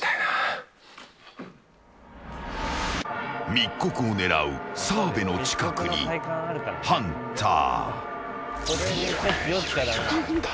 密告を狙う澤部の近くにハンター。